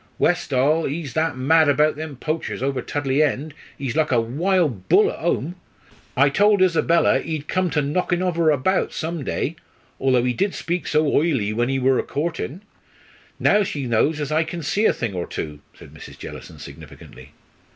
Westall, ee's that mad about them poachers over Tudley End; ee's like a wild bull at 'ome. I told Isabella ee'd come to knockin' ov her about some day, though ee did speak so oily when ee wor a courtin'. Now she knows as I kin see a thing or two," said Mrs. Jellison, significantly.